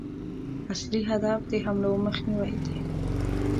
اصلي هدف د حملو مخنیوی دی.